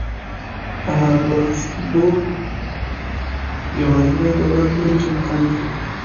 هابسبورګ یوازینی دولت نه و چې مخالف و.